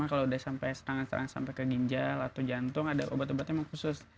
cuma kalau sudah sampai setengah setengah sampai ke ginjal atau jantung ada obat obat yang khusus